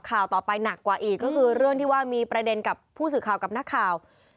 ข่าวต่อไปหนักกว่าอีกก็คือเรื่องที่ว่ามีประเด็นกับผู้สื่อข่าวกับนักข่าว